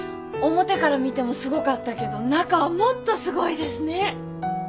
表から見てもすごかったけど中はもっとすごいですね。